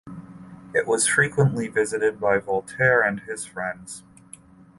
It was frequently visited by Voltaire and his friends.